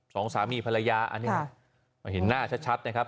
สองสามีภรรยาอันนี้เห็นหน้าชัดนะครับ